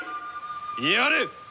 やれ！